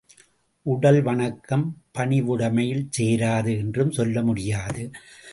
உடல் வணக்கம் பணிவுடைமையில் சேராது என்றும் சொல்ல முடியாது.